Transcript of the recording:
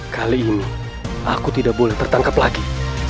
kali ini aku tidak boleh tertangkap lagi